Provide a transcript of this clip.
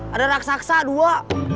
ada raksasa dua